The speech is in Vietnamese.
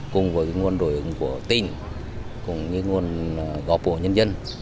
cùng với nguồn đổi ứng của tình cùng với nguồn góp của nhân dân